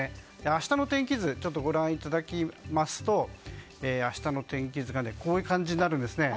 明日の天気図をご覧いただきますと明日の天気図がこういう感じになるんです。